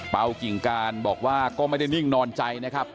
กิ่งการบอกว่าก็ไม่ได้นิ่งนอนใจนะครับ